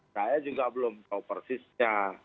saya juga belum tahu persisnya